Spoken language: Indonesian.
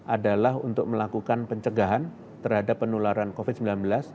adalah untuk melakukan pencegahan terhadap penularan covid sembilan belas